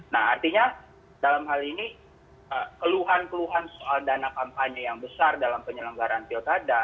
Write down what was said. nah artinya dalam hal ini keluhan keluhan soal dana kampanye yang besar dalam penyelenggaran pilkada